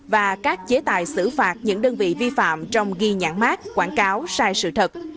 và các chế tài xử phạt những đơn vị vi phạm trong ghi nhãn mát quảng cáo sai sự thật